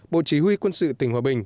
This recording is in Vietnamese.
bộ chí huy quân sự tỉnh hòa bình